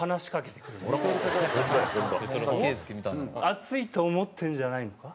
「熱いと思ってるんじゃないのか？」。